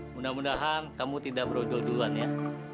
mudah mudahan kamu tidak berojol duluan ya